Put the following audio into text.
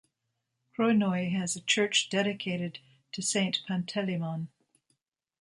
Krounoi has a church dedicated to Saint Panteleimon.